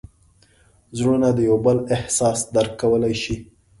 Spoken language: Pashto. زړونه د یو بل احساس درک کولی شي.